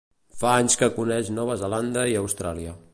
Fa anys que coneix Nova Zelanda i Austràlia.